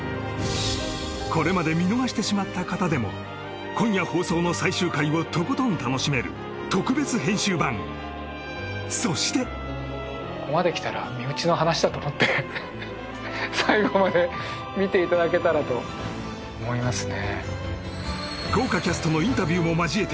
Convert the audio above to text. これまで見逃してしまった方でも今夜放送の最終回をとことん楽しめる特別編集版そしてここまできたら身内の話だと思って最後まで見ていただけたらと思いますね